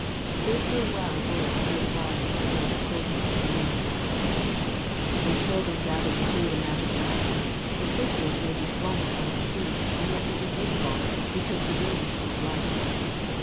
It were well worth his while to go to prison to learn that. When children gather to see the magic lantern, the figures may be flung upon the sheet, and yet be invisible, because the room is full of light.